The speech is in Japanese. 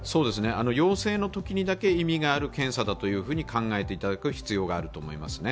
陽性のときにだけ意味がある検査だと考えていただく必要があります。